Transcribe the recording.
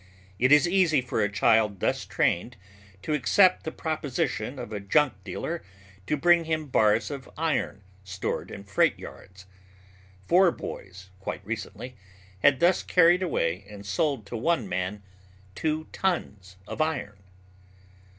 It is easy for a child thus trained to accept the proposition of a junk dealer to bring him bars of iron stored in freight yards. Four boys quite recently had thus carried away and sold to one man two tons of iron.